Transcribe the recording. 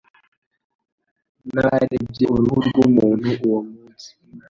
Nabarebye uruhu rwumuntu uwo munsi.